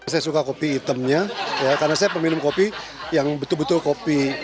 saya suka kopi hitamnya karena saya peminum kopi yang betul betul kopi